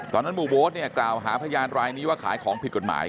ตอนนั้นหมู่มดเนี่ยกล่าวหาพยานรายนี้ว่าขายของผิดกฎหมาย